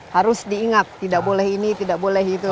harus diingat tidak boleh ini tidak boleh itu